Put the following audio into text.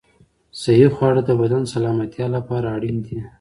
صحي خواړه د بدن سلامتیا لپاره اړین دي.